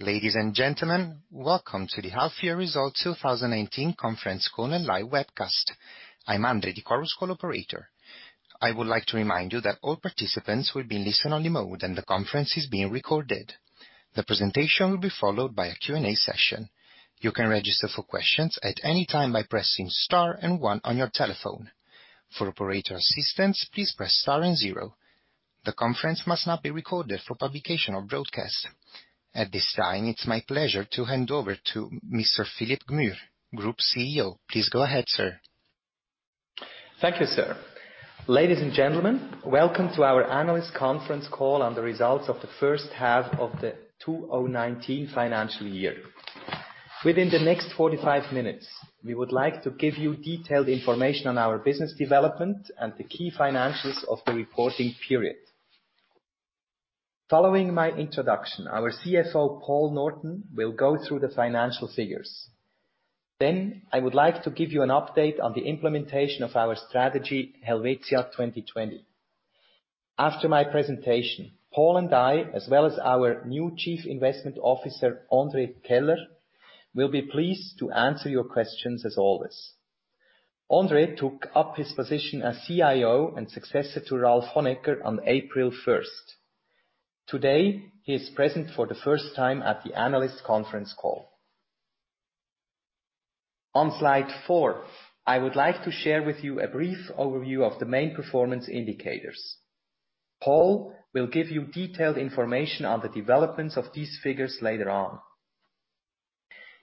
Ladies and gentlemen, welcome to the Half Year Results 2018 conference call and live webcast. I'm Andre, the Chorus Call operator. I would like to remind you that all participants will be in listen-only mode and the conference is being recorded. The presentation will be followed by a Q&A session. You can register for questions at any time by pressing Star and One on your telephone. For operator assistance, please press Star and Zero. The conference must not be recorded for publication or broadcast. At this time, it's my pleasure to hand over to Mr Philipp Gmür, Group CEO. Please go ahead, sir. Thank you, sir. Ladies and gentlemen, welcome to our analyst conference call on the results of the first half of the 2019 financial year. Within the next 45 minutes, we would like to give you detailed information on our business development and the key financials of the reporting period. Following my introduction, our CFO, Paul Norton, will go through the financial figures. I would like to give you an update on the implementation of our strategy, Helvetia 2020. After my presentation, Paul and I, as well as our new Chief Investment Officer, André Keller, will be pleased to answer your questions as always. André took up his position as CIO and successor to Ralf Honegger on April 1st. Today, he is present for the first time at the analyst conference call. On slide four, I would like to share with you a brief overview of the main performance indicators. Paul will give you detailed information on the developments of these figures later on.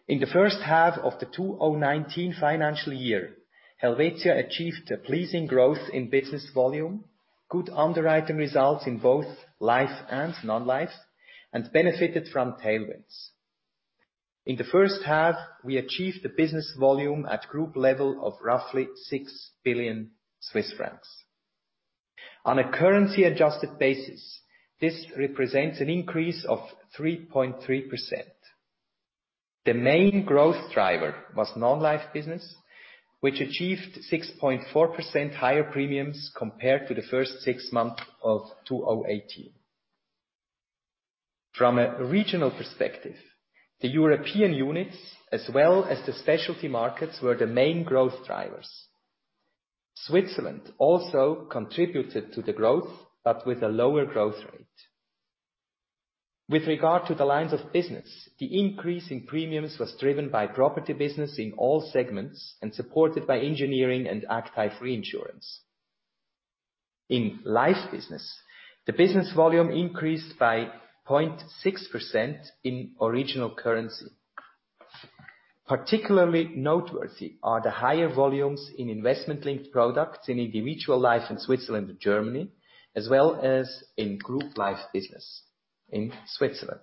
In the first half of the 2019 financial year, Helvetia achieved a pleasing growth in business volume, good underwriting results in both life and non-life, and benefited from tailwinds. In the first half, we achieved the business volume at group level of roughly 6 billion Swiss francs. On a currency-adjusted basis, this represents an increase of 3.3%. The main growth driver was non-life business, which achieved 6.4% higher premiums compared to the first six months of 2018. From a regional perspective, the European units, as well as the specialty markets, were the main growth drivers. Switzerland also contributed to the growth, but with a lower growth rate. With regard to the lines of business, the increase in premiums was driven by property business in all segments and supported by engineering and active reinsurance. In life business, the business volume increased by 0.6% in original currency. Particularly noteworthy are the higher volumes in investment-linked products in individual life in Switzerland and Germany, as well as in group life business in Switzerland.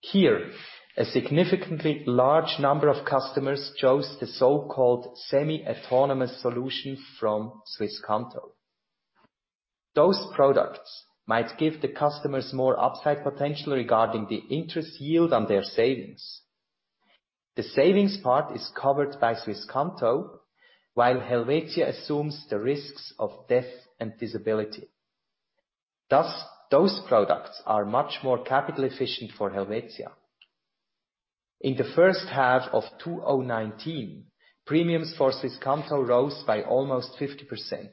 Here, a significantly large number of customers chose the so-called semi-autonomous solution from Swisscanto. Those products might give the customers more upside potential regarding the interest yield on their savings. The savings part is covered by Swisscanto, while Helvetia assumes the risks of death and disability. Thus, those products are much more capital efficient for Helvetia. In the first half of 2019, premiums for Swisscanto rose by almost 50%.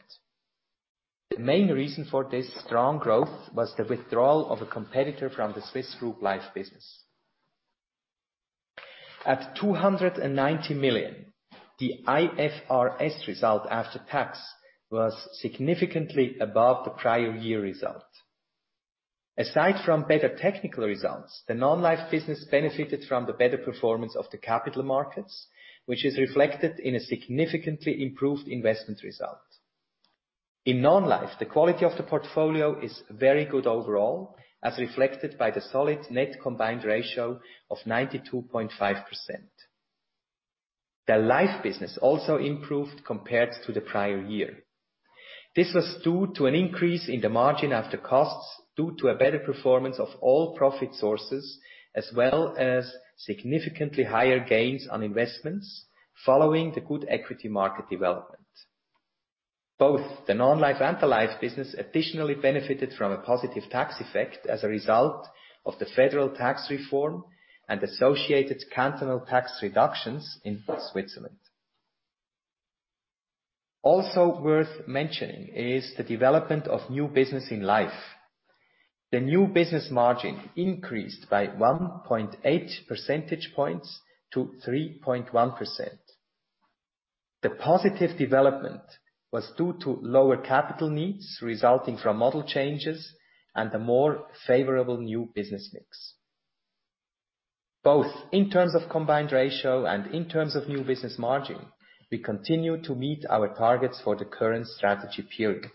The main reason for this strong growth was the withdrawal of a competitor from the Swiss group life business. At 290 million, the IFRS result after tax was significantly above the prior year result. Aside from better technical results, the non-life business benefited from the better performance of the capital markets, which is reflected in a significantly improved investment result. In non-life, the quality of the portfolio is very good overall, as reflected by the solid net combined ratio of 92.5%. The life business also improved compared to the prior year. This was due to an increase in the margin after costs due to a better performance of all profit sources, as well as significantly higher gains on investments following the good equity market development. Both the non-life and the life business additionally benefited from a positive tax effect as a result of the Federal Tax Reform and associated cantonal tax reductions in Switzerland. Worth mentioning is the development of new business in life. The new business margin increased by 1.8 percentage points to 3.1%. The positive development was due to lower capital needs resulting from model changes and a more favorable new business mix. Both in terms of combined ratio and in terms of new business margin, we continue to meet our targets for the current strategy period.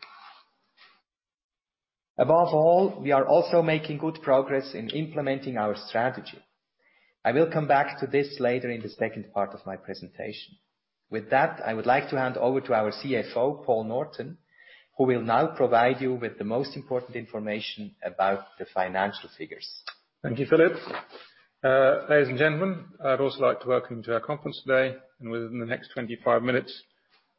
Above all, we are also making good progress in implementing our strategy. I will come back to this later in the second part of my presentation. With that, I would like to hand over to our CFO, Paul Norton, who will now provide you with the most important information about the financial figures. Thank you, Philipp. Ladies and gentlemen, I'd also like to welcome you to our conference today, and within the next 25 minutes,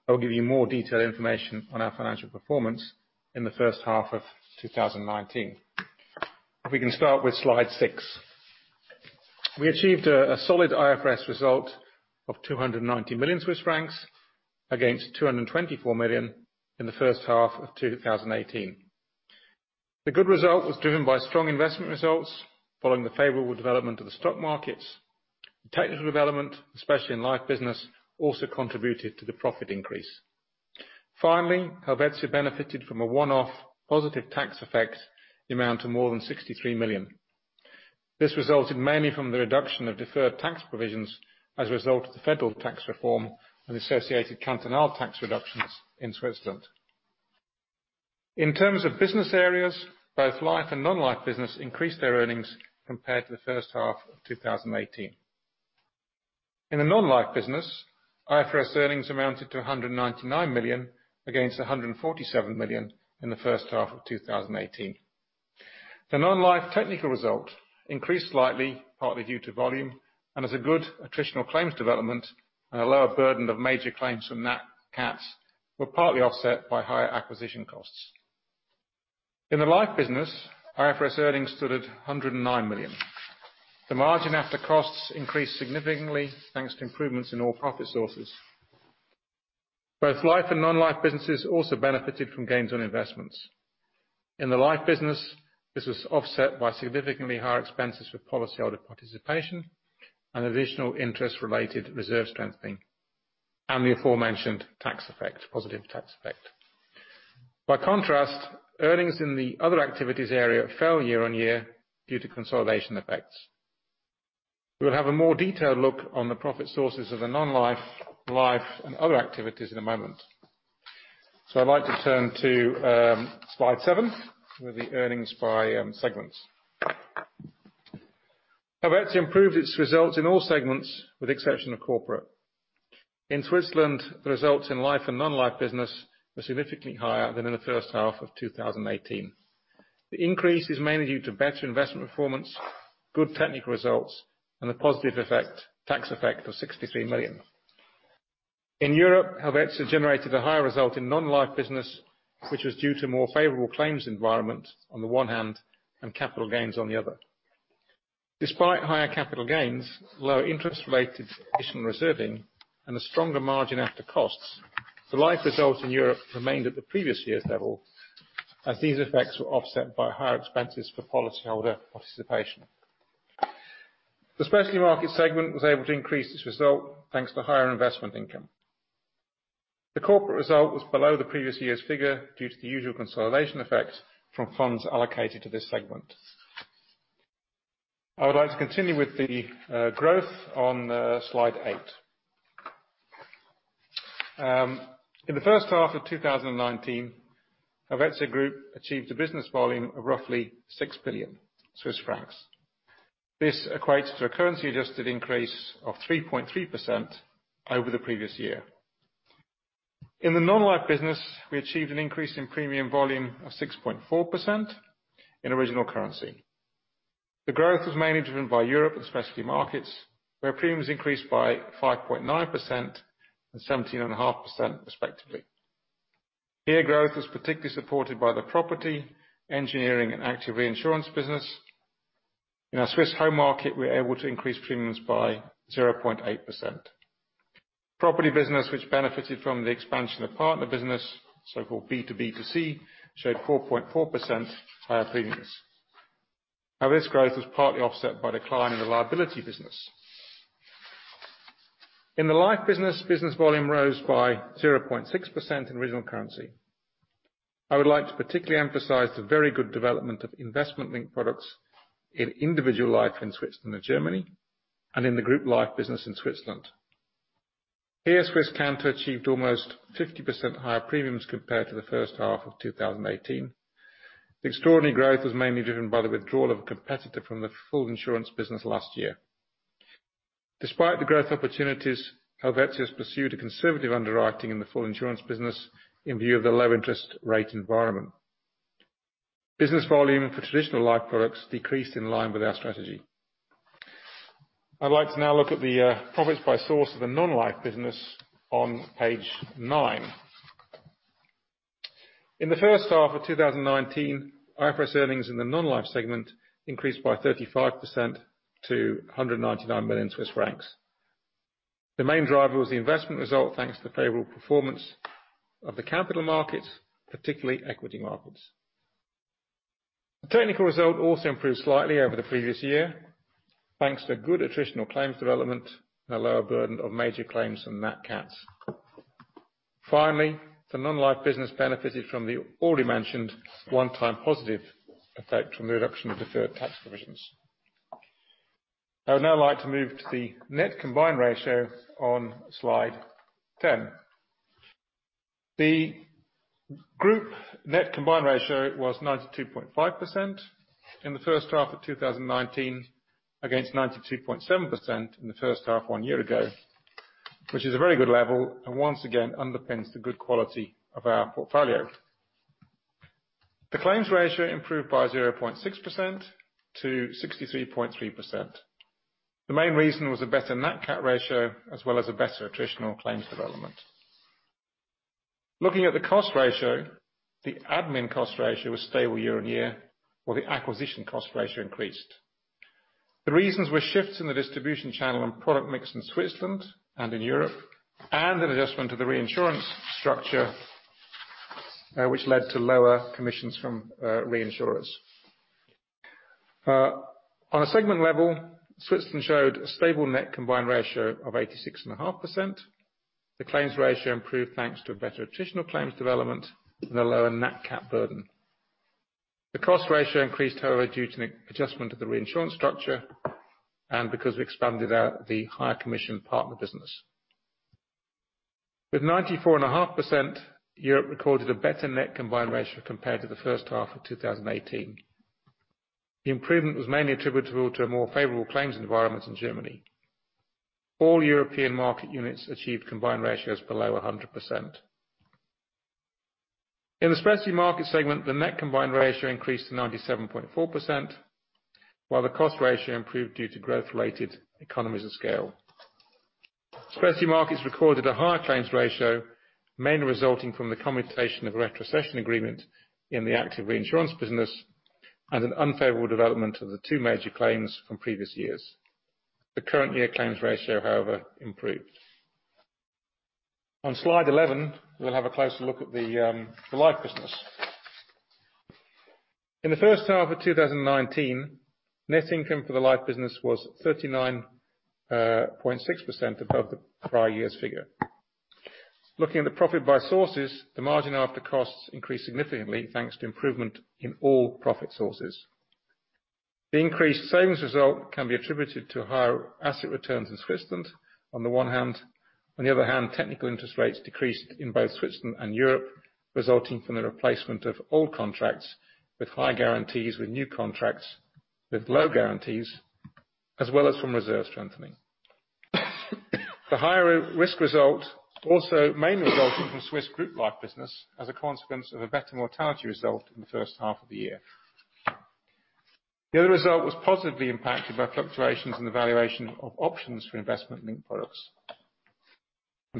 I will give you more detailed information on our financial performance in the first half of 2019. If we can start with slide six. We achieved a solid IFRS result of 290 million Swiss francs against 224 million in the first half of 2018. The good result was driven by strong investment results following the favorable development of the stock markets. The technical development, especially in life business, also contributed to the profit increase. Finally, Helvetia benefited from a one-off positive tax effect in the amount of more than 63 million. This resulted mainly from the reduction of deferred tax provisions as a result of the Federal Tax Reform and associated cantonal tax reductions in Switzerland. In terms of business areas, both life and non-life business increased their earnings compared to the first half of 2018. In the non-life business, IFRS earnings amounted to 199 million against 147 million in the first half of 2018. The non-life technical result increased slightly, partly due to volume, and as a good attritional claims development and a lower burden of major claims from nat cats were partly offset by higher acquisition costs. In the life business, IFRS earnings stood at 109 million. The margin after costs increased significantly thanks to improvements in all profit sources. Both life and non-life businesses also benefited from gains on investments. In the life business, this was offset by significantly higher expenses with policyholder participation and additional interest related reserve strengthening, and the aforementioned positive tax effect. Earnings in the other activities area fell year-on-year due to consolidation effects. We'll have a more detailed look on the profit sources of the non-life, life, and other activities in a moment. I'd like to turn to slide seven with the earnings by segments. Helvetia improved its results in all segments with exception of corporate. In Switzerland, the results in life and non-life business were significantly higher than in the first half of 2018. The increase is mainly due to better investment performance, good technical results, and the positive tax effect of 63 million. In Europe, Helvetia generated a higher result in non-life business, which was due to more favorable claims environment on the one hand and capital gains on the other. Despite higher capital gains, lower interest related additional reserving, and a stronger margin after costs, the life results in Europe remained at the previous year's level as these effects were offset by higher expenses for policyholder participation. The specialty markets segment was able to increase its result thanks to higher investment income. The corporate result was below the previous year's figure due to the usual consolidation effect from funds allocated to this segment. I would like to continue with the growth on slide eight. In the first half of 2019, Helvetia Group achieved a business volume of roughly 6 billion Swiss francs. This equates to a currency adjusted increase of 3.3% over the previous year. In the non-life business, we achieved an increase in premium volume of 6.4% in original currency. The growth was mainly driven by Europe and specialty markets, where premiums increased by 5.9% and 17.5% respectively. Here, growth was particularly supported by the property, engineering, and active reinsurance business. In our Swiss home market, we were able to increase premiums by 0.8%. Property business, which benefited from the expansion of partner business, so-called B2B2C, showed 4.4% higher premiums. This growth was partly offset by decline in the liability business. In the life business volume rose by 0.6% in original currency. I would like to particularly emphasize the very good development of investment-linked products in individual life in Switzerland and Germany, and in the group life business in Switzerland. Here, Swisscanto achieved almost 50% higher premiums compared to the first half of 2018. The extraordinary growth was mainly driven by the withdrawal of a competitor from the full insurance business last year. Despite the growth opportunities, Helvetia has pursued a conservative underwriting in the full insurance business in view of the low interest rate environment. Business volume for traditional life products decreased in line with our strategy. I'd like to now look at the profits by source of the non-life business on page nine. In the first half of 2019, IFRS earnings in the non-life segment increased by 35% to 199 million Swiss francs. The main driver was the investment result, thanks to the favorable performance of the capital markets, particularly equity markets. The technical result also improved slightly over the previous year, thanks to good attritional claims development and a lower burden of major claims from nat cats. The non-life business benefited from the already mentioned one time positive effect from the reduction of deferred tax provisions. I would now like to move to the net combined ratio on slide 10. The group net combined ratio was 92.5% in the first half of 2019 against 92.7% in the first half one year ago, which is a very good level and once again underpins the good quality of our portfolio. The claims ratio improved by 0.6% to 63.3%. The main reason was a better nat cat ratio, as well as a better attritional claims development. Looking at the cost ratio, the admin cost ratio was stable year-over-year, while the acquisition cost ratio increased. The reasons were shifts in the distribution channel and product mix in Switzerland and in Europe, and an adjustment to the reinsurance structure, which led to lower commissions from reinsurers. On a segment level, Switzerland showed a stable net combined ratio of 86.5%. The claims ratio improved thanks to a better attritional claims development and a lower nat cat burden. The cost ratio increased, however, due to an adjustment of the reinsurance structure and because we expanded out the higher commission partner business. With 94.5%, Europe recorded a better net combined ratio compared to the first half of 2018. The improvement was mainly attributable to a more favorable claims environment in Germany. All European market units achieved combined ratios below 100%. In the specialty market segment, the net combined ratio increased to 97.4%, while the cost ratio improved due to growth-related economies of scale. Specialty markets recorded a higher claims ratio, mainly resulting from the commutation of a retrocession agreement in the active reinsurance business and an unfavorable development of the two major claims from previous years. The current year claims ratio, however, improved. On slide 11, we'll have a closer look at the life business. In the first half of 2019, net income for the life business was 39.6% above the prior year's figure. Looking at the profit by sources, the margin after costs increased significantly, thanks to improvement in all profit sources. The increased savings result can be attributed to higher asset returns in Switzerland on the one hand. On the other hand, technical interest rates decreased in both Switzerland and Europe, resulting from the replacement of old contracts with high guarantees, with new contracts with low guarantees, as well as from reserve strengthening. The higher risk result also mainly resulting from Swiss group life business as a consequence of a better mortality result in the first half of the year. The other result was positively impacted by fluctuations in the valuation of options for investment in products.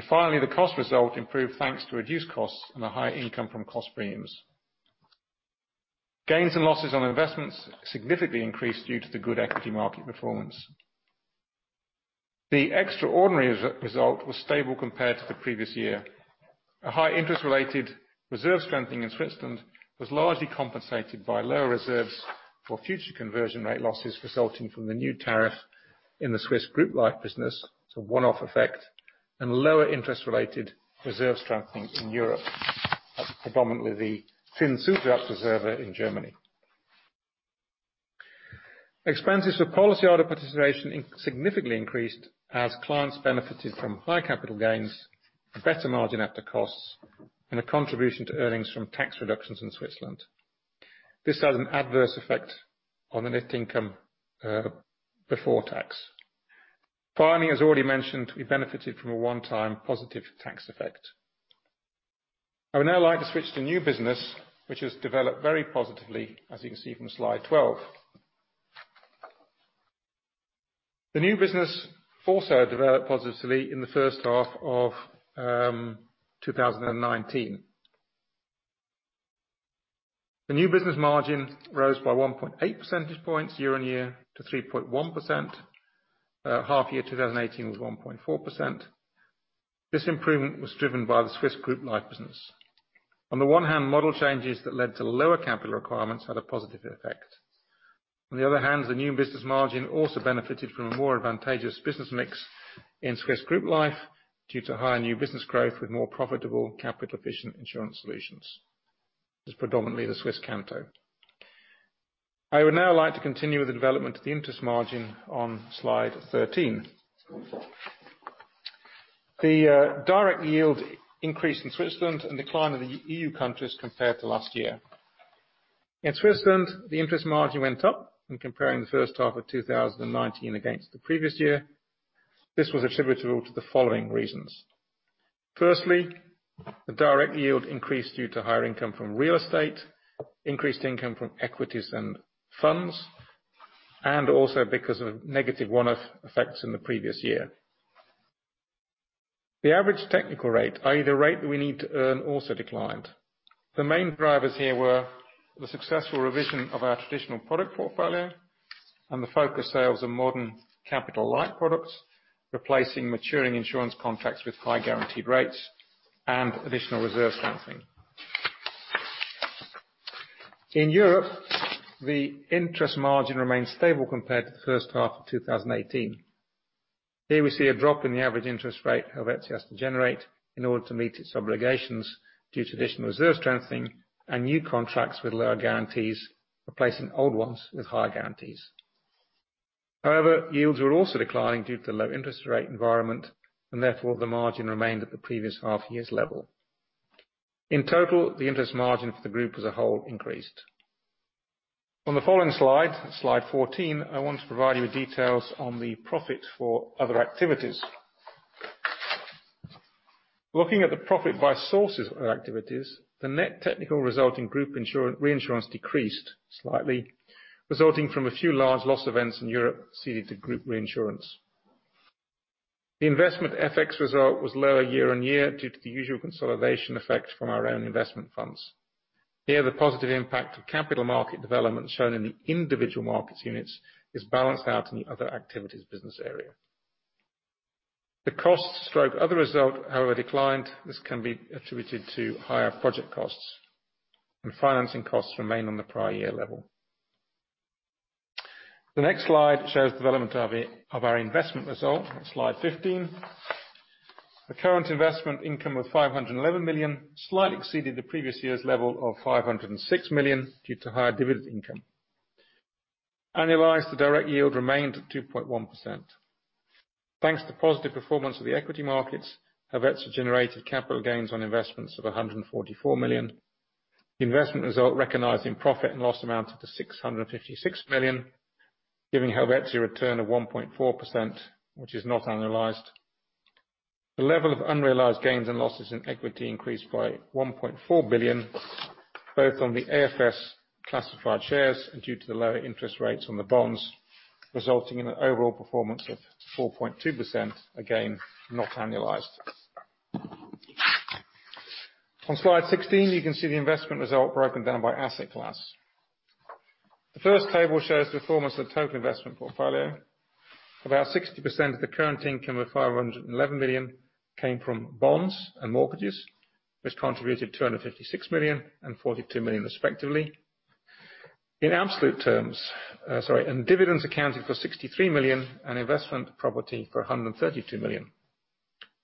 Finally, the cost result improved, thanks to reduced costs and a higher income from cost premiums. Gains and losses on investments significantly increased due to the good equity market performance. The extraordinary result was stable compared to the previous year. A high interest-related reserve strengthening in Switzerland was largely compensated by lower reserves for future conversion rate losses resulting from the new tariff in the Swiss group life business, it's a one-off effect, and lower interest-related reserve strengthening in Europe, predominantly the Zinszusatzreserve in Germany. Expenses for policyholder participation significantly increased as clients benefited from high capital gains, a better margin after costs, and a contribution to earnings from tax reductions in Switzerland. This has an adverse effect on the net income before tax. Finally, as already mentioned, we benefited from a one-time positive tax effect. I would now like to switch to new business, which has developed very positively, as you can see from slide 12. The new business also developed positively in the first half of 2019. The new business margin rose by 1.8 percentage points year-over-year to 3.1%. Half year 2018 was 1.4%. This improvement was driven by the Swiss group life business. On the one hand, model changes that led to lower capital requirements had a positive effect. On the other hand, the new business margin also benefited from a more advantageous business mix in Swiss group life due to higher new business growth with more profitable capital-efficient insurance solutions. It's predominantly the Swisscanto. I would now like to continue with the development of the interest margin on slide 13. The direct yield increase in Switzerland and decline of the EU countries compared to last year. In Switzerland, the interest margin went up when comparing the first half of 2019 against the previous year. This was attributable to the following reasons. Firstly, the direct yield increased due to higher income from real estate, increased income from equities and funds, and also because of negative one-off effects in the previous year. The average technical rate, i.e. the rate that we need to earn, also declined. The main drivers here were the successful revision of our traditional product portfolio and the focused sales of modern capital-light products, replacing maturing insurance contracts with high guaranteed rates and additional reserve strengthening. In Europe, the interest margin remained stable compared to the first half of 2018. Here we see a drop in the average interest rate Helvetia has to generate in order to meet its obligations due to additional reserve strengthening and new contracts with lower guarantees, replacing old ones with higher guarantees. Yields were also declining due to the low interest rate environment, and therefore the margin remained at the previous half year's level. In total, the interest margin for the group as a whole increased. On the following slide 14, I want to provide you with details on the profit for other activities. Looking at the profit by sources of activities, the net technical result in group reinsurance decreased slightly, resulting from a few large loss events in Europe ceded to group reinsurance. The investment FX result was lower year-on-year due to the usual consolidation effect from our own investment funds. Here, the positive impact of capital market development shown in the individual markets units is balanced out in the other activities business area. The cost/other result, however, declined. This can be attributed to higher project costs. Financing costs remain on the prior year level. The next slide shows development of our investment result on slide 15. The current investment income of 511 million slightly exceeded the previous year's level of 506 million due to higher dividend income. Annualized, the direct yield remained at 2.1%. Thanks to positive performance of the equity markets, Helvetia generated capital gains on investments of 144 million. Investment result recognized in profit and loss amounted to 656 million, giving Helvetia a return of 1.4%, which is not annualized. The level of unrealized gains and losses in equity increased by 1.4 billion both on the AFS classified shares and due to the lower interest rates on the bonds, resulting in an overall performance of 4.2%, again, not annualized. On slide 16, you can see the investment result broken down by asset class. The first table shows performance of total investment portfolio. About 60% of the current income of 511 million came from bonds and mortgages, which contributed 256 million and 42 million respectively. In absolute terms Sorry. Dividends accounted for 63 million and investment property for 132 million.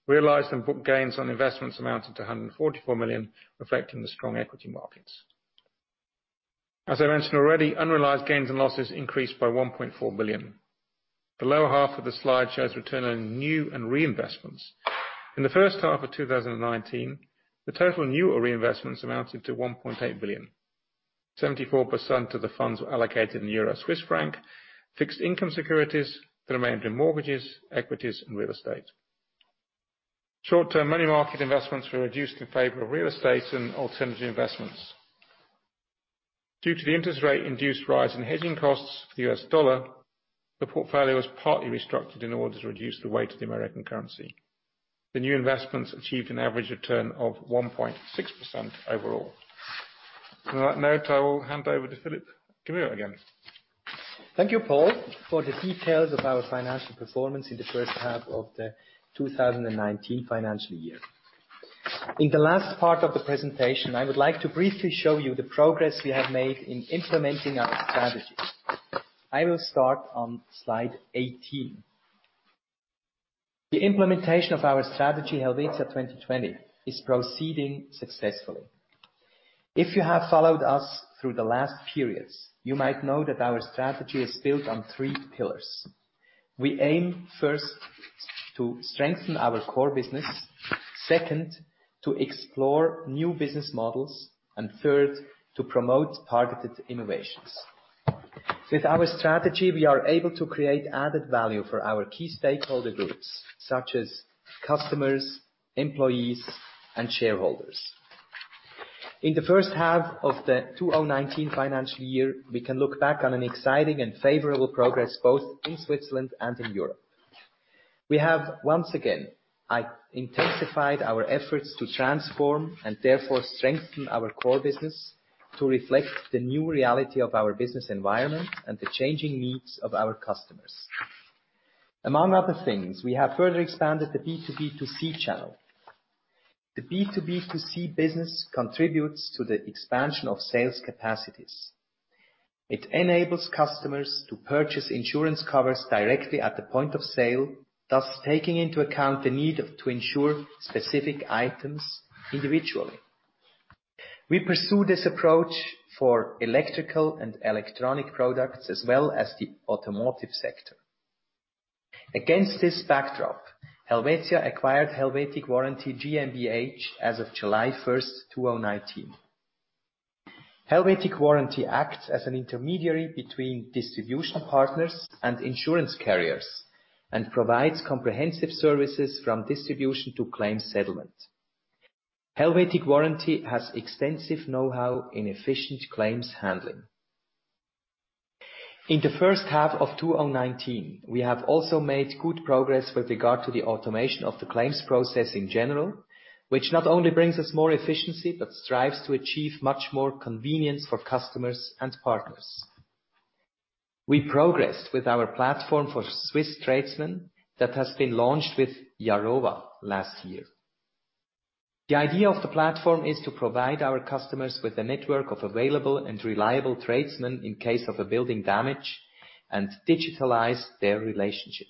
Realized and book gains on investments amounted to 144 million, reflecting the strong equity markets. As I mentioned already, unrealized gains and losses increased by 1.4 billion. The lower half of the slide shows return on new and reinvestments. In the first half of 2019, the total new or reinvestments amounted to 1.8 billion. 74% of the funds were allocated in EUR, CHF, fixed income securities that remained in mortgages, equities, and real estate. Short-term money market investments were reduced in favor of real estate and alternative investments. Due to the interest rate-induced rise in hedging costs for the US dollar, the portfolio was partly restructured in order to reduce the weight of the American currency. The new investments achieved an average return of 1.6% overall. On that note, I will hand over to Philipp Gmür again. Thank you, Paul, for the details of our financial performance in the first half of the 2019 financial year. In the last part of the presentation, I would like to briefly show you the progress we have made in implementing our strategies. I will start on slide 18. The implementation of our strategy, Helvetia 2020, is proceeding successfully. If you have followed us through the last periods, you might know that our strategy is built on three pillars. We aim, first, to strengthen our core business. Second, to explore new business models. Third, to promote targeted innovations. With our strategy, we are able to create added value for our key stakeholder groups, such as customers, employees, and shareholders. In the first half of the 2019 financial year, we can look back on an exciting and favorable progress both in Switzerland and in Europe. We have once again intensified our efforts to transform and therefore strengthen our core business to reflect the new reality of our business environment and the changing needs of our customers. Among other things, we have further expanded the B2B2C channel. The B2B2C business contributes to the expansion of sales capacities. It enables customers to purchase insurance covers directly at the point of sale, thus taking into account the need to insure specific items individually. We pursue this approach for electrical and electronic products, as well as the automotive sector. Against this backdrop, Helvetia acquired Helvetic Warranty GmbH as of July 1st, 2019. Helvetic Warranty acts as an intermediary between distribution partners and insurance carriers and provides comprehensive services from distribution to claims settlement. Helvetic Warranty has extensive know-how in efficient claims handling. In the first half of 2019, we have also made good progress with regard to the automation of the claims process in general, which not only brings us more efficiency, but strives to achieve much more convenience for customers and partners. We progressed with our platform for Swiss tradesmen that has been launched with Yarowa last year. The idea of the platform is to provide our customers with a network of available and reliable tradesmen in case of a building damage and digitalize their relationship.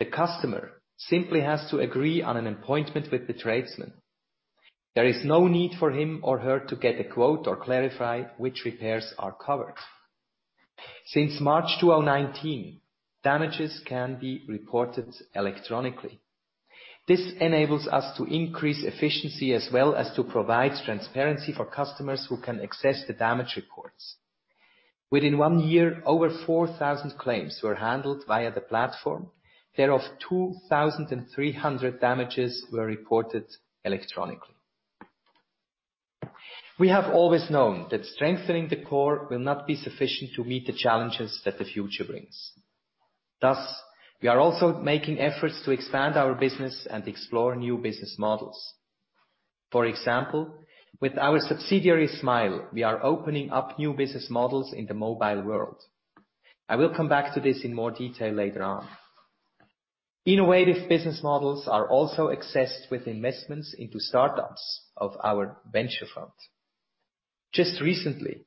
The customer simply has to agree on an appointment with the tradesman. There is no need for him or her to get a quote or clarify which repairs are covered. Since March 2019, damages can be reported electronically. This enables us to increase efficiency as well as to provide transparency for customers who can access the damage reports. Within one year, over 4,000 claims were handled via the platform. Thereof, 2,300 damages were reported electronically. We have always known that strengthening the core will not be sufficient to meet the challenges that the future brings. Thus, we are also making efforts to expand our business and explore new business models. For example, with our subsidiary Smile, we are opening up new business models in the mobile world. I will come back to this in more detail later on. Innovative business models are also accessed with investments into startups of our venture fund. Just recently,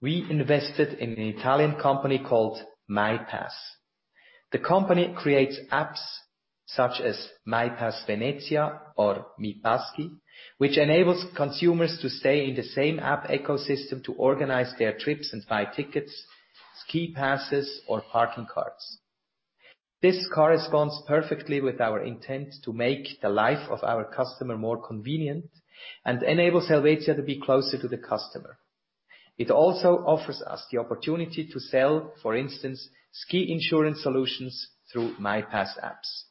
we invested in an Italian company called MyPass. The company creates apps such as myPass Venezia or myPass Ski, which enables consumers to stay in the same app ecosystem to organize their trips and buy tickets, ski passes, or parking cards. This corresponds perfectly with our intent to make the life of our customer more convenient and enable Helvetia to be closer to the customer. It also offers us the opportunity to sell, for instance, ski insurance solutions through myPass apps.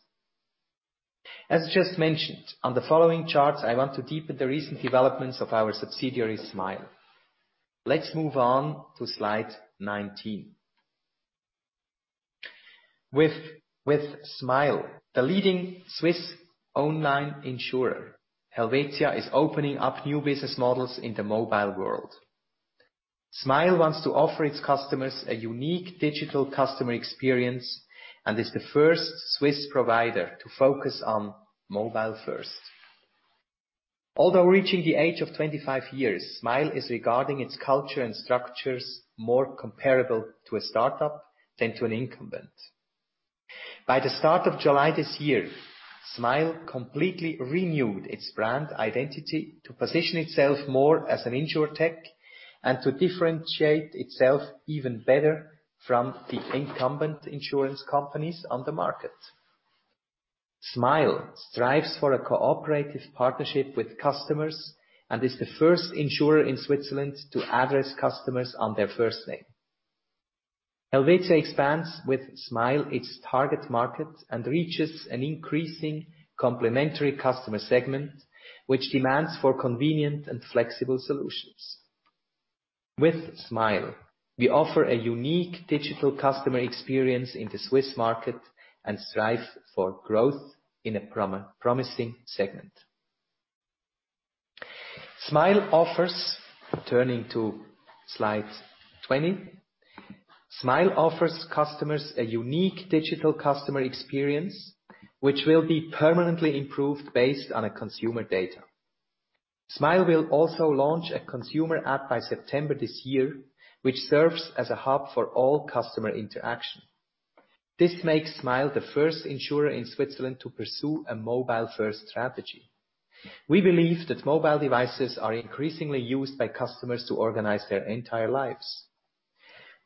As just mentioned, on the following charts, I want to deepen the recent developments of our subsidiary Smile. Let's move on to slide 19. With Smile, the leading Swiss online insurer, Helvetia is opening up new business models in the mobile world. Smile wants to offer its customers a unique digital customer experience and is the first Swiss provider to focus on mobile first. Although reaching the age of 25 years, Smile is regarding its culture and structures more comparable to a startup than to an incumbent. By the start of July this year, Smile completely renewed its brand identity to position itself more as an insurtech and to differentiate itself even better from the incumbent insurance companies on the market. Smile strives for a cooperative partnership with customers and is the first insurer in Switzerland to address customers on their first name. Helvetia expands with Smile its target market and reaches an increasing complementary customer segment, which demands for convenient and flexible solutions. With Smile, we offer a unique digital customer experience in the Swiss market and strive for growth in a promising segment. Smile offers, turning to slide 20. Smile offers customers a unique digital customer experience, which will be permanently improved based on a consumer data. Smile will also launch a consumer app by September this year, which serves as a hub for all customer interaction. This makes Smile the first insurer in Switzerland to pursue a mobile-first strategy. We believe that mobile devices are increasingly used by customers to organize their entire lives.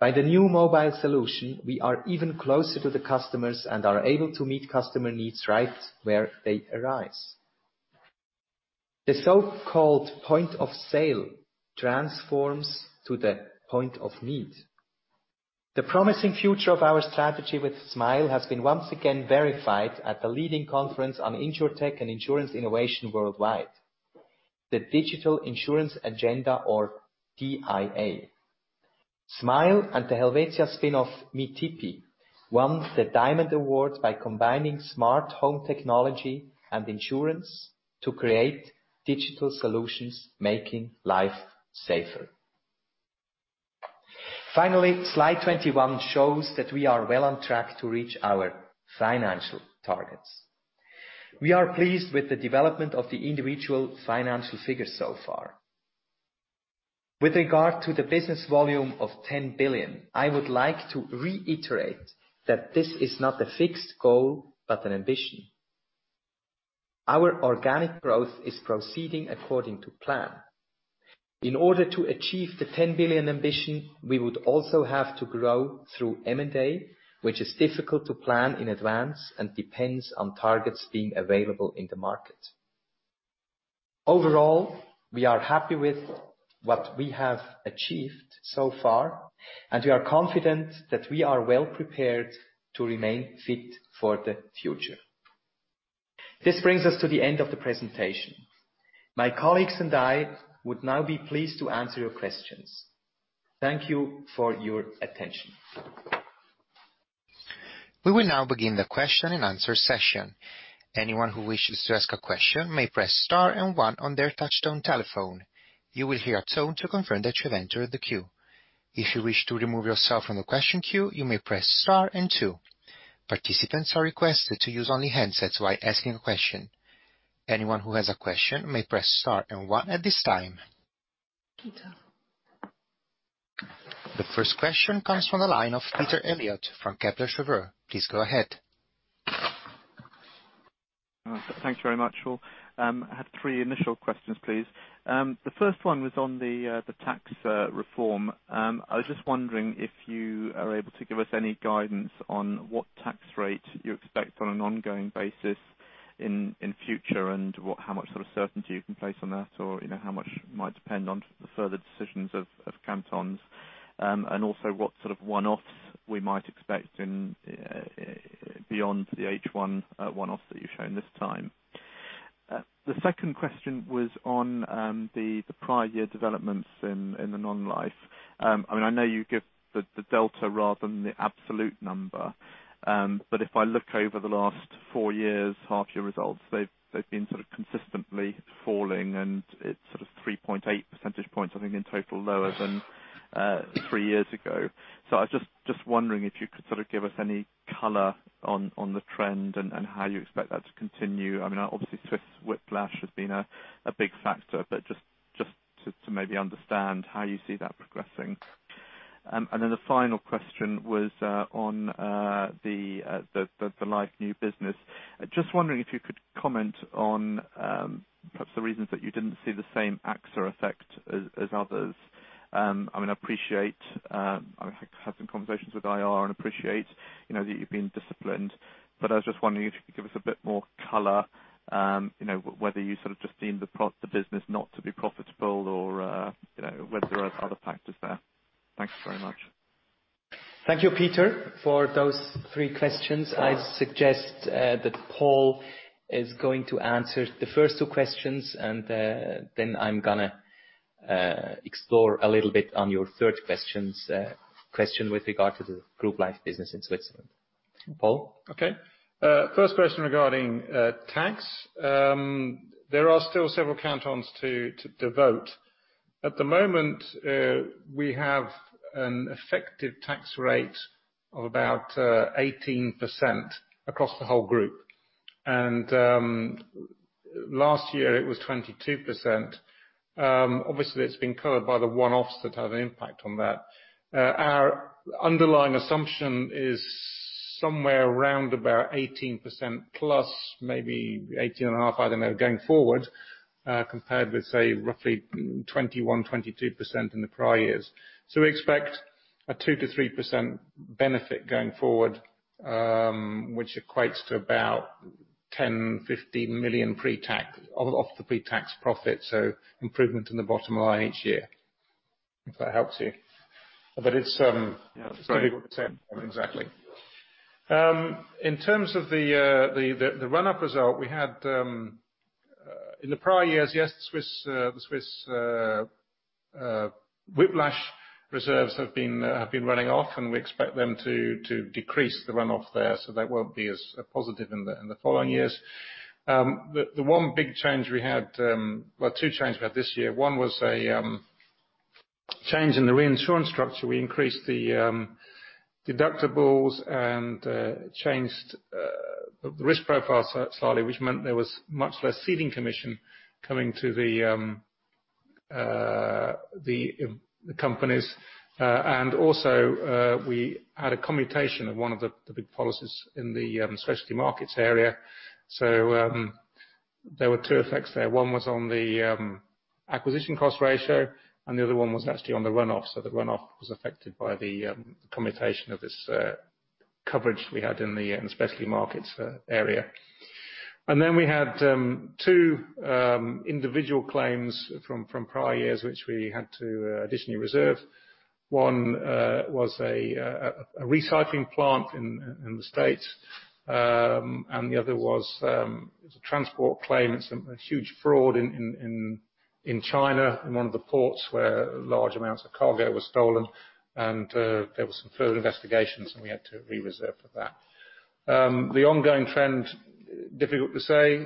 By the new mobile solution, we are even closer to the customers and are able to meet customer needs right where they arise. The so-called point of sale transforms to the point of need. The promising future of our strategy with Smile has been once again verified at the leading conference on insurtech and insurance innovation worldwide, the Digital Insurance Agenda or DIA. Smile and the Helvetia spin-off Mitipi won the Diamond Award by combining smart home technology and insurance to create digital solutions making life safer. Finally, slide 21 shows that we are well on track to reach our financial targets. We are pleased with the development of the individual financial figures so far. With regard to the business volume of 10 billion, I would like to reiterate that this is not a fixed goal but an ambition. Our organic growth is proceeding according to plan. In order to achieve the 10 billion ambition, we would also have to grow through M&A, which is difficult to plan in advance and depends on targets being available in the market. Overall, we are happy with what we have achieved so far, and we are confident that we are well prepared to remain fit for the future. This brings us to the end of the presentation. My colleagues and I would now be pleased to answer your questions. Thank you for your attention. We will now begin the question and answer session. Anyone who wishes to ask a question may press star and one on their touch-tone telephone. You will hear a tone to confirm that you have entered the queue. If you wish to remove yourself from the question queue, you may press star and two. Participants are requested to use only handsets while asking a question. Anyone who has a question may press star and one at this time. The first question comes from the line of Peter Eliot from Kepler Cheuvreux. Please go ahead. Thanks very much. I have three initial questions, please. The first one was on the tax reform. I was just wondering if you are able to give us any guidance on what tax rate you expect on an ongoing basis in future and how much sort of certainty you can place on that, or how much it might depend on the further decisions of cantons. Also what sort of one-offs we might expect beyond the H1 one-off that you've shown this time. The second question was on the prior year developments in the non-life. If I look over the last four years' half-year results, they've been sort of consistently falling, and it's 3.8 percentage points, I think, in total lower than three years ago. I was just wondering if you could sort of give us any color on the trend and how you expect that to continue. Obviously, Swiss whiplash has been a big factor, but just to maybe understand how you see that progressing. The final question was on the live new business. Just wondering if you could comment on perhaps the reasons that you didn't see the same AXA effect as others. I've had some conversations with IR and appreciate that you've been disciplined, I was just wondering if you could give us a bit more color, whether you sort of just deemed the business not to be profitable or whether there are other factors there. Thanks very much. Thank you, Peter, for those three questions. I suggest that Paul is going to answer the first two questions, and then I'm going to explore a little bit on your third question with regard to the group life business in Switzerland. Paul? Okay. First question regarding tax. There are still several cantons to vote. At the moment, we have an effective tax rate of about 18% across the whole group. Last year it was 22%. Obviously, it's been colored by the one-offs that have an impact on that. Our underlying assumption is somewhere around about 18% plus maybe 18.5%, I don't know, going forward, compared with, say, roughly 21%, 22% in the prior years. We expect a 2%-3% benefit going forward, which equates to about 10 million-15 million off the pre-tax profit. Improvement in the bottom line each year. If that helps you. It's difficult to say exactly. In terms of the run-up result we had in the prior years, yes, the Swiss whiplash reserves have been running off. We expect them to decrease the run-off there. That won't be as positive in the following years. The one big change we had, well, two changes we had this year. One was a change in the reinsurance structure. We increased the deductibles and changed the risk profile slightly, which meant there was much less ceding commission coming to the companies. Also, we had a commutation of one of the big policies in the specialty markets area. There were two effects there. One was on the acquisition cost ratio, and the other one was actually on the run-off. The run-off was affected by the commutation of this coverage we had in the specialty markets area. We had two individual claims from prior years, which we had to additionally reserve. One was a recycling plant in the U.S., the other was a transport claim. It's a huge fraud in China, in one of the ports where large amounts of cargo was stolen, there were some further investigations, we had to re-reserve for that. The ongoing trend, difficult to say.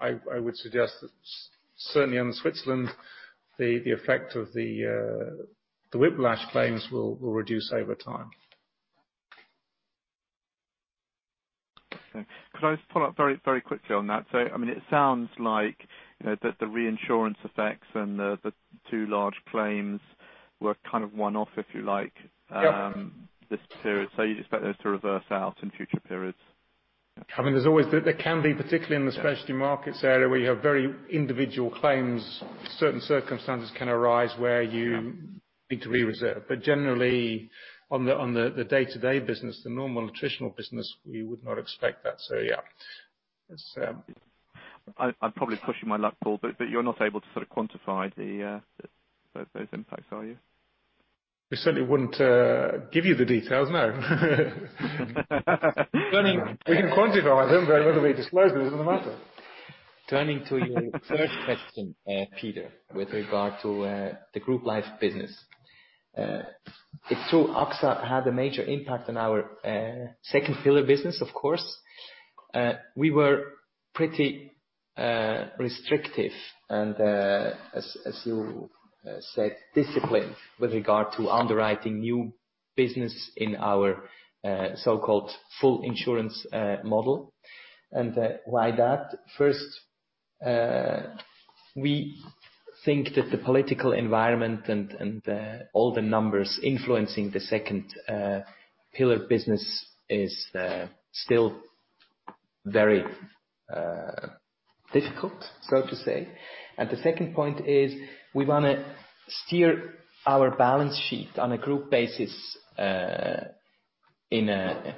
I would suggest that certainly in Switzerland, the effect of the whiplash claims will reduce over time. Okay. Could I just follow up very quickly on that? It sounds like the reinsurance effects and the two large claims were kind of one-off, if you like. Yep This period, you'd expect those to reverse out in future periods. There can be, particularly in the specialty markets area where you have very individual claims, certain circumstances can arise where you need to re-reserve. Generally, on the day-to-day business, the normal attritional business, we would not expect that. Yeah. I'm probably pushing my luck, Paul, but you're not able to sort of quantify those impacts, are you? We certainly wouldn't give you the details, no. We can quantify them, whether we disclose them is another matter. Turning to your third question, Peter, with regard to the group life business. It's true, AXA had a major impact on our second pillar business, of course. We were pretty restrictive and, as you said, disciplined with regard to underwriting new business in our so-called full insurance model. Why that? First, we think that the political environment and all the numbers influencing the second pillar business is still very difficult, so to say. The second point is we want to steer our balance sheet on a group basis in a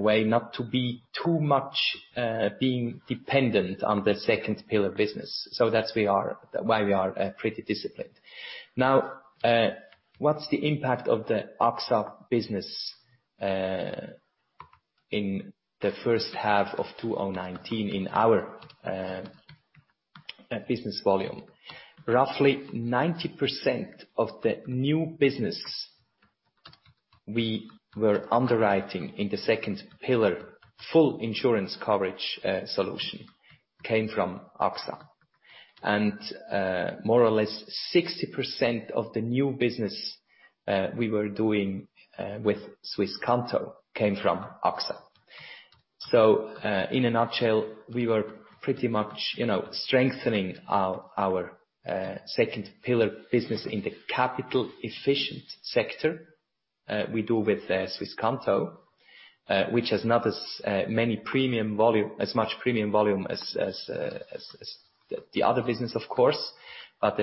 way not to be too much being dependent on the second pillar business. That's why we are pretty disciplined. Now, what's the impact of the AXA business in the first half of 2019 in our business volume? Roughly 90% of the new business we were underwriting in the second pillar, full insurance coverage solution, came from AXA. More or less 60% of the new business we were doing with Swiss Re came from AXA. In a nutshell, we were pretty much strengthening our second pillar business in the capital efficient sector we do with Swiss Re, which has not as much premium volume as the other business, of course, but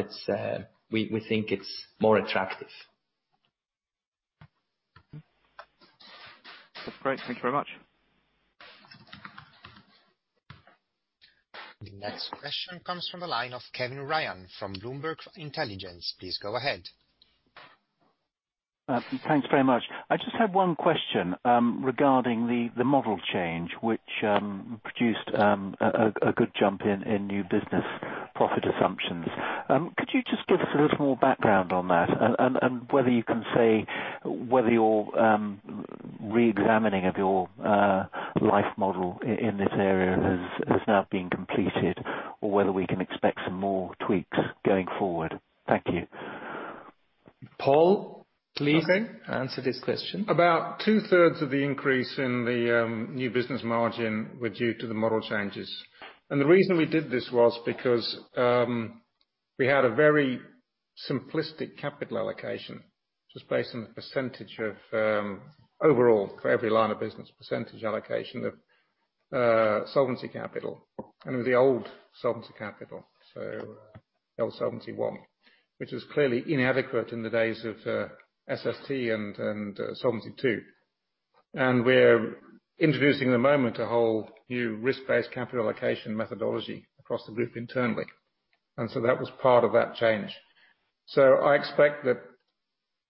we think it's more attractive. That's great. Thank you very much. The next question comes from the line of Kevin Ryan from Bloomberg Intelligence. Please go ahead. Thanks very much. I just had one question regarding the model change, which produced a good jump in new business profit assumptions. Could you just give us a little more background on that? Whether you can say whether your re-examining of your life model in this area has now been completed, or whether we can expect some more tweaks going forward. Thank you. Paul, please answer this question. About two-thirds of the increase in the new business margin were due to the model changes. The reason we did this was because we had a very simplistic capital allocation, just based on the percentage of overall, for every line of business, percentage allocation of solvency capital, and it was the old solvency capital, the old Solvency I. Which was clearly inadequate in the days of SST and Solvency II. We're introducing at the moment, a whole new risk-based capital allocation methodology across the group internally. That was part of that change. I expect that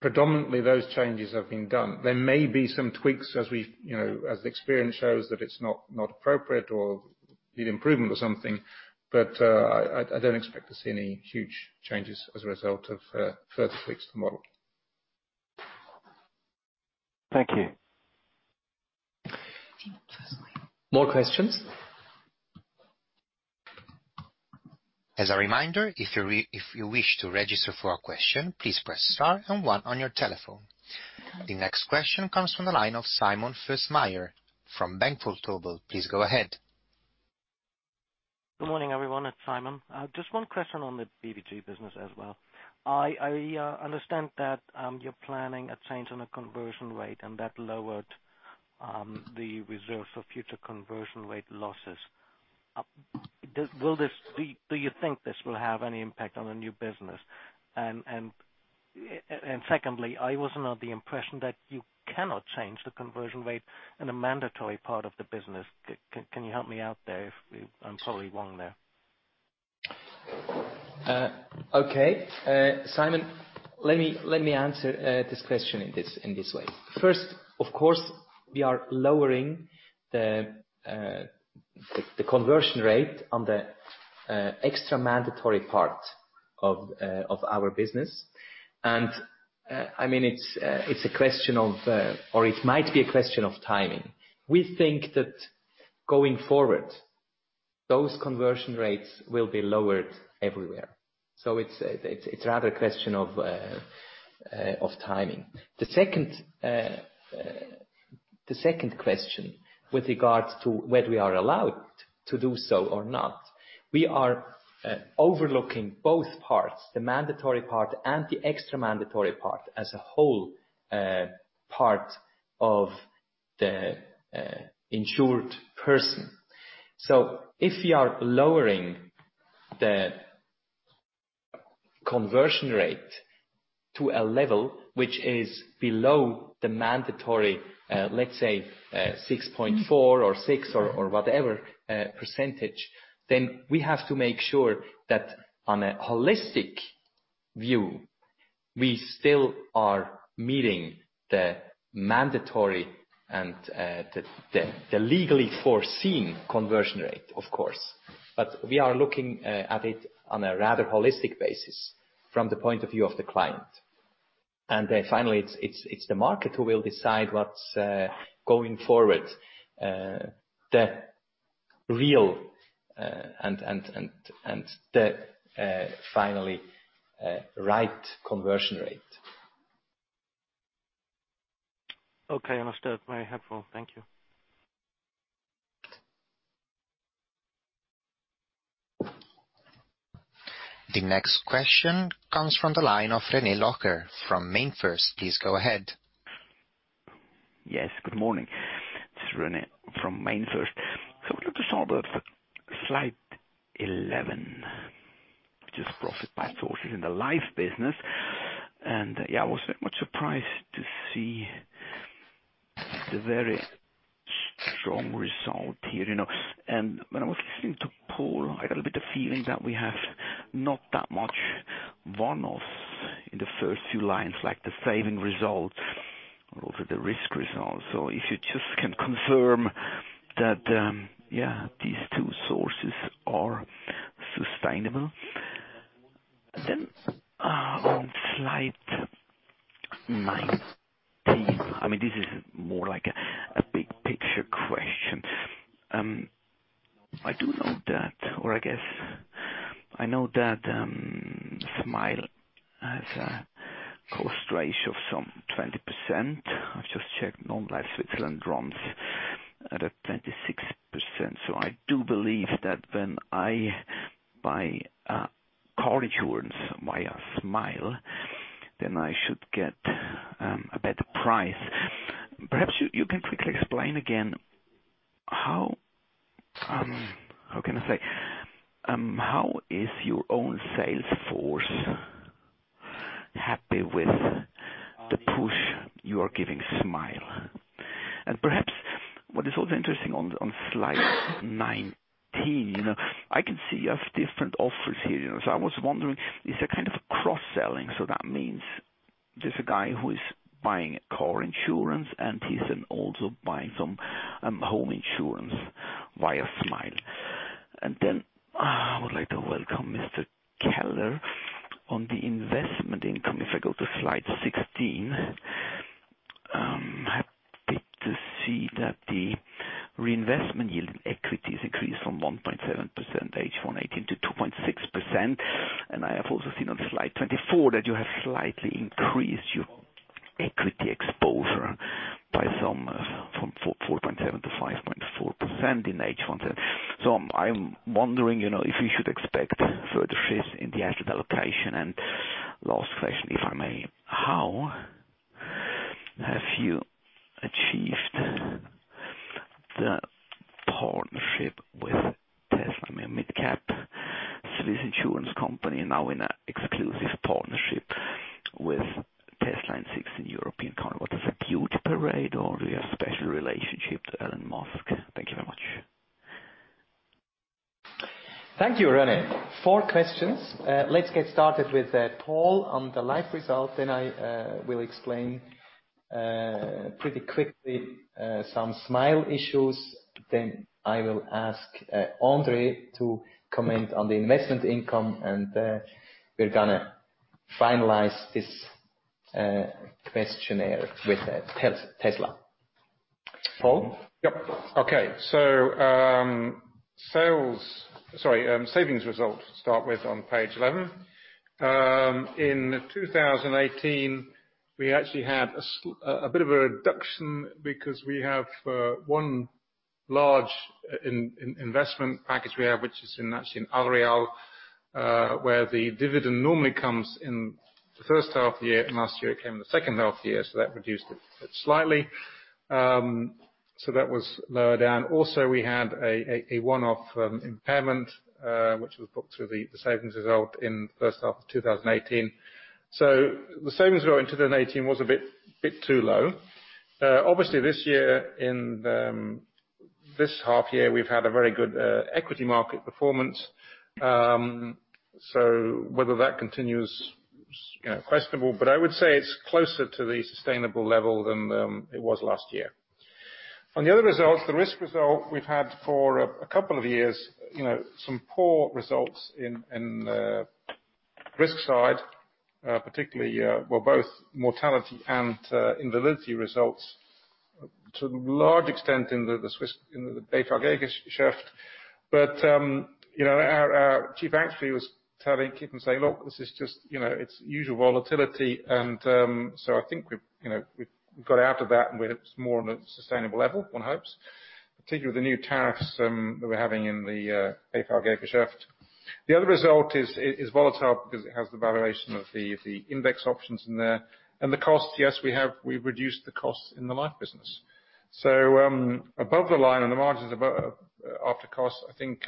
predominantly those changes have been done. There may be some tweaks as experience shows that it's not appropriate or need improvement or something. I don't expect to see any huge changes as a result of further tweaks to the model. Thank you. More questions? As a reminder, if you wish to register for a question, please press star and one on your telephone. The next question comes from the line of Simon Fössmeier from Bank Vontobel. Please go ahead. Good morning, everyone. It's Simon. Just one question on the BVG business as well. I understand that you're planning a change on a conversion rate and that lowered the reserve for future conversion rate losses. Do you think this will have any impact on the new business? Secondly, I was under the impression that you cannot change the conversion rate in a mandatory part of the business. Can you help me out there if I'm totally wrong there? Okay. Simon, let me answer this question in this way. First, of course, we are lowering the conversion rate on the extra mandatory part of our business. It might be a question of timing. We think that going forward, those conversion rates will be lowered everywhere. It's rather a question of timing. The second question with regards to whether we are allowed to do so or not, we are overlooking both parts, the mandatory part and the extra mandatory part as a whole part of the insured person. If we are lowering the conversion rate to a level which is below the mandatory, let's say, 6.4 or six or whatever percentage, then we have to make sure that on a holistic view, we still are meeting the mandatory and the legally foreseen conversion rate, of course. We are looking at it on a rather holistic basis from the point of view of the client. Finally, it's the market who will decide what's going forward, the real and the finally right conversion rate. Okay, understood. Very helpful. Thank you. The next question comes from the line of René Locher from MainFirst. Please go ahead. Yes, good morning. It's René from MainFirst. I wanted to start with slide 11, which is profit by sources in the life business. I was very much surprised to see the very strong result here. When I was listening to Paul, I got a little bit of feeling that we have not that much one-offs in the first two lines, like the saving results or also the risk results. If you just can confirm that, these two sources are sustainable. On slide 19, this is more like a big picture question. I do know that, or I guess I know that Smile has a cost ratio of some 20%. I've just checked Non-Life Switzerland runs at a 26%. I do believe that when I buy insurance via Smile, then I should get a better price. Perhaps you can quickly explain again, how can I say, how is your own sales force happy with the push you are giving Smile? Perhaps what is also interesting on slide 19, I can see you have different offers here. I was wondering, is there a kind of cross-selling? That means there's a guy who is buying car insurance, and he's then also buying some home insurance via Smile. Then I would like to welcome Mr. Keller on the investment income. If I go to slide 16, I'm happy to see that the reinvestment yield in equities increased from 1.7% H1 2018 to 2.6%. I have also seen on slide 24 that you have slightly increased your equity exposure by some, from 4.7 to 5.4% in H1 2010. I'm wondering if we should expect further shifts in the asset allocation. Last question, if I may. How have you achieved the partnership with Tesla? I mean, [Micap] Swiss Insurance Company now in an exclusive partnership with Tesla in 16 European countries. Was this a beauty parade or do you have special relationship to Elon Musk? Thank you very much. Thank you, René. Four questions. Let's get started with Paul on the life results. I will explain pretty quickly some Smile issues. I will ask André to comment on the investment income. We're going to finalize this questionnaire with Tesla. Paul? Yep. Okay. Savings results to start with on page 11. In 2018, we actually had a bit of a reduction because we have one large investment package we have, which is actually in Allreal, where the dividend normally comes in the first half of the year, and last year it came in the second half the year, that reduced it slightly. That was lower down. We had a one-off impairment, which was put through the savings result in the first half of 2018. The savings result in 2018 was a bit too low. Obviously this year, in this half year, we've had a very good equity market performance. Whether that continues, questionable, I would say it's closer to the sustainable level than it was last year. On the other results, the risk result we've had for a couple of years, some poor results in the risk side, particularly, well, both mortality and invalidity results to a large extent in the Swiss, in the. Our chief actuary was telling people, saying, "Look, this is just its usual volatility." I think we've got out of that and it's more on a sustainable level, one hopes. Particularly with the new tariffs that we're having. The other result is volatile because it has the valuation of the index options in there. The cost, yes, we've reduced the costs in the life business. Above the line and the margins above after cost, I think,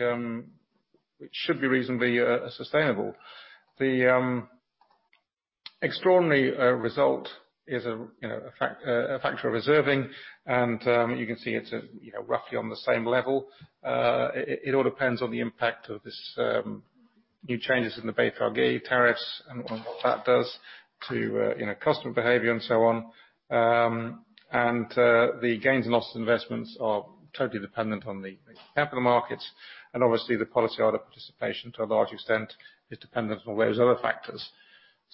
which should be reasonably sustainable. The extraordinary result is a factor of reserving and you can see it's roughly on the same level. It all depends on the impact of this new changes in the base charge tariffs and what that does to customer behavior and so on. The gains and losses investments are totally dependent on the capital markets and obviously the policyholder participation to a large extent is dependent on those other factors.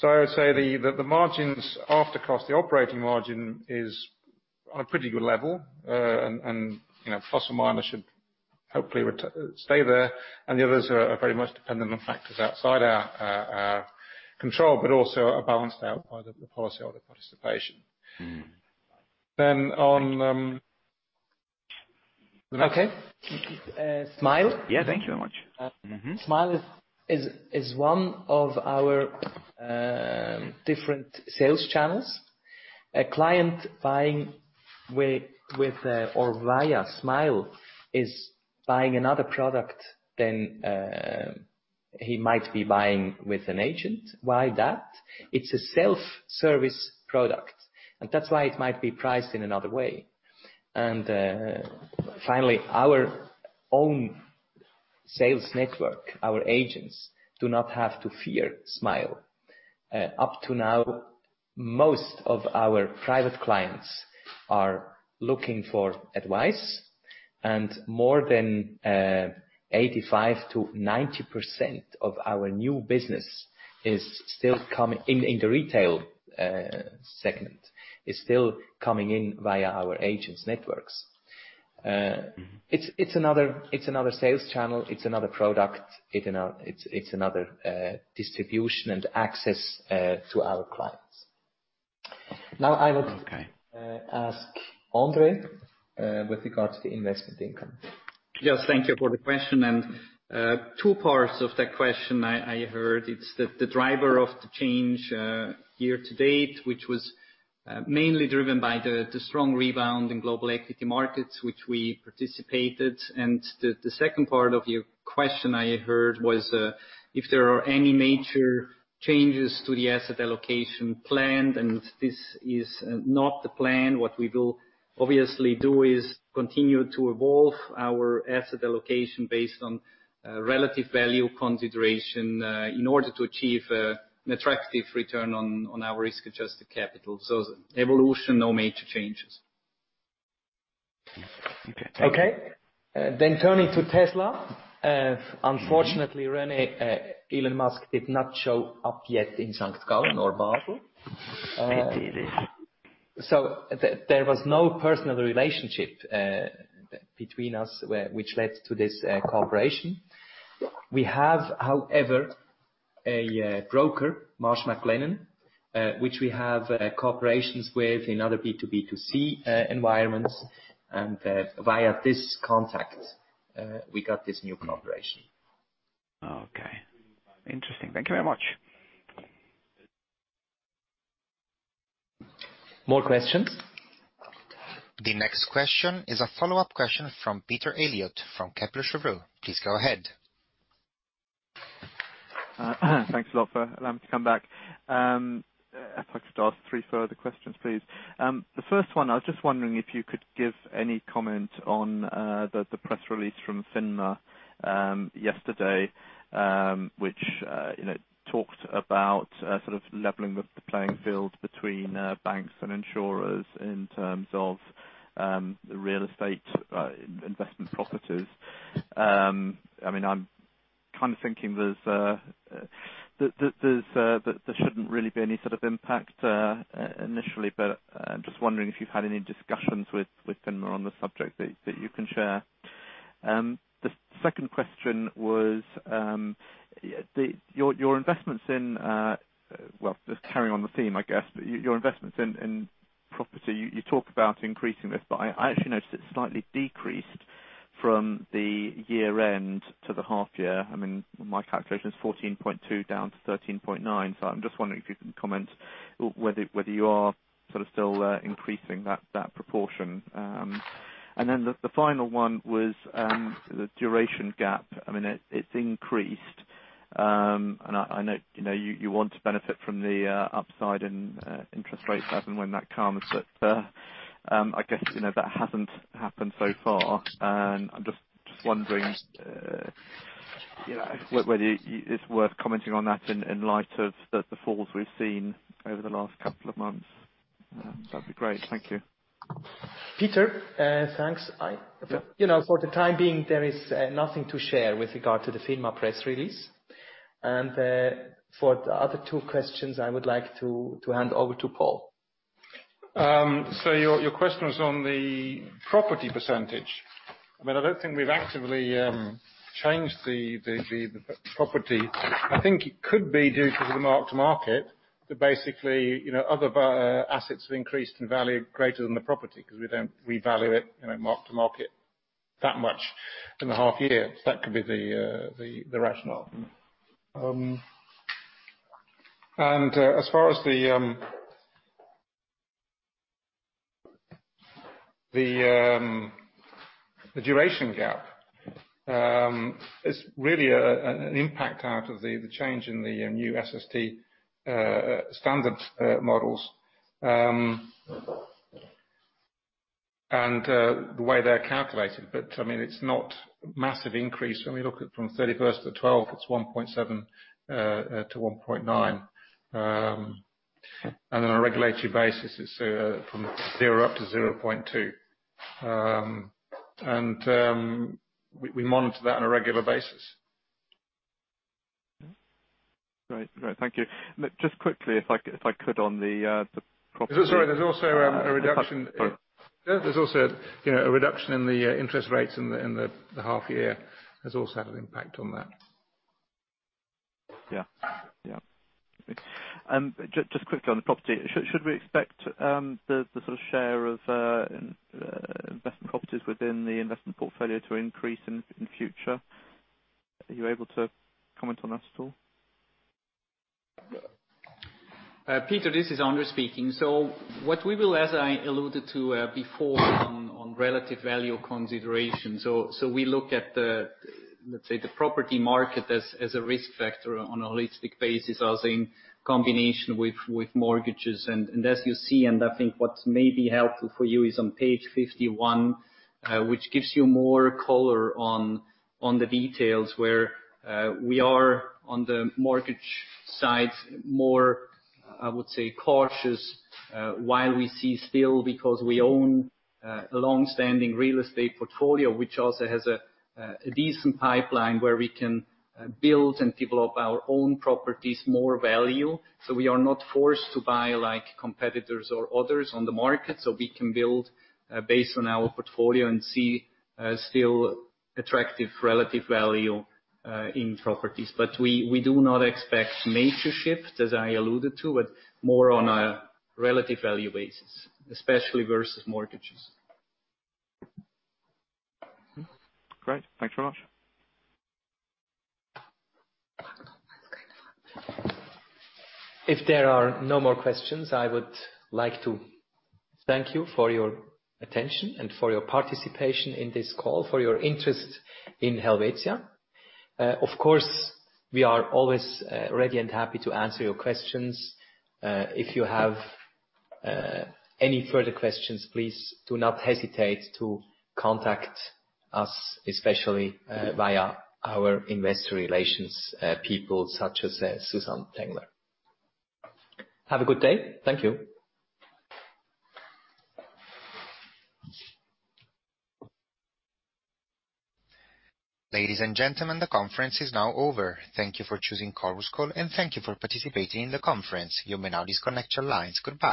I would say the margins after cost, the operating margin is on a pretty good level. Fees and [miner] should hopefully stay there. The others are very much dependent on factors outside our control, but also are balanced out by the policyholder participation. Then on- Okay. Smile? Yeah, thank you very much. Mm-hmm. Smile is one of our different sales channels. A client buying with or via Smile is buying another product than he might be buying with an agent. Why that? It's a self-service product, and that's why it might be priced in another way. Finally, our own sales network, our agents, do not have to fear Smile. Up to now, most of our private clients are looking for advice, and more than 85%-90% of our new business in the retail segment, is still coming in via our agents' networks. It's another sales channel. It's another product. It's another distribution and access to our clients. Okay ask André with regards to the investment income. Yes, thank you for the question. Two parts of that question I heard. It's the driver of the change year to date, which was mainly driven by the strong rebound in global equity markets, which we participated. The second part of your question I heard was, if there are any major changes to the asset allocation planned, this is not the plan. What we will obviously do is continue to evolve our asset allocation based on relative value consideration, in order to achieve an attractive return on our risk-adjusted capital. Evolution, no major changes. Okay, thank you. Okay. Turning to Tesla. Unfortunately, René, Elon Musk did not show up yet in St. Gallen or Basel. Indeed. There was no personal relationship between us which led to this collaboration. We have, however, a broker, Marsh McLennan, which we have collaborations with in other B2B2C environments. Via this contact, we got this new collaboration. Okay. Interesting. Thank you very much. More questions? The next question is a follow-up question from Peter Eliot from Kepler Cheuvreux. Please go ahead. Thanks a lot for allowing me to come back. I'd like to ask three further questions, please. The first one, I was just wondering if you could give any comment on the press release from FINMA yesterday, which talked about leveling the playing field between banks and insurers in terms of real estate investment properties. I'm thinking there shouldn't really be any sort of impact initially, but I'm just wondering if you've had any discussions with FINMA on the subject that you can share. The second question was, just carrying on the theme, I guess, your investments in property, you talk about increasing this, but I actually noticed it slightly decreased from the year-end to the half year. My calculation is 14.2 down to 13.9. I'm just wondering if you can comment whether you are still increasing that proportion. Then the final one was the duration gap. It's increased. I know you want to benefit from the upside in interest rates, Helvetia, when that comes, but I guess that hasn't happened so far. I'm just wondering whether it's worth commenting on that in light of the falls we've seen over the last couple of months. That'd be great. Thank you. Peter, thanks. Yeah. For the time being, there is nothing to share with regard to the FINMA press release. For the other two questions, I would like to hand over to Paul. Your question was on the property percentage. I don't think we've actively changed the property. I think it could be due to the mark to market that basically other assets have increased in value greater than the property, because we don't revalue it mark to market that much in the half year. That could be the rationale. As far as the duration gap, it's really an impact out of the change in the new SST standard models and the way they're calculated. It's not massive increase. When we look at from 31st to 12, it's 1.7-1.9. Then on a regulated basis, it's from 0-0.2. We monitor that on a regular basis. Great. Thank you. Just quickly, if I could on the property- Sorry, there's also a reduction in the interest rates in the half year, has also had an impact on that. Just quickly on the property, should we expect the sort of share of investment properties within the investment portfolio to increase in future? Are you able to comment on that at all? Peter, this is Andre speaking. As I alluded to before on relative value consideration. We look at the, let's say, the property market as a risk factor on a holistic basis, as in combination with mortgages. As you see, and I think what may be helpful for you is on page 51, which gives you more color on the details where we are on the mortgage side, more, I would say, cautious while we see still, because we own a longstanding real estate portfolio, which also has a decent pipeline where we can build and develop our own properties more value. We are not forced to buy like competitors or others on the market, we can build based on our portfolio and see still attractive relative value in properties. We do not expect major shift, as I alluded to, but more on a relative value basis, especially versus mortgages. Great. Thanks very much. If there are no more questions, I would like to thank you for your attention and for your participation in this call, for your interest in Helvetia. Of course, we are always ready and happy to answer your questions. If you have any further questions, please do not hesitate to contact us, especially via our investor relations people such as Susanne Tengler. Have a good day. Thank you. Ladies and gentlemen, the conference is now over. Thank you for choosing Chorus Call, and thank you for participating in the conference. You may now disconnect your lines. Goodbye.